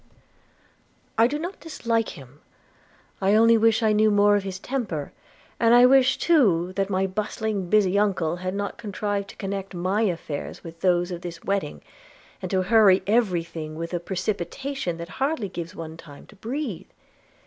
'I do not dislike him – I only wish I knew more of his temper; and I wish too that my bustling busy uncle had not contrived to connect my affairs with those of this wedding, and to hurry every thing with a precipitation that hardly gives one time to breathe.